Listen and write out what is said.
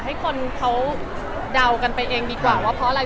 ให้คนเขาเดากันไปเองดีกว่าว่าเพราะอะไร